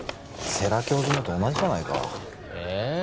世良教授のと同じじゃないかええ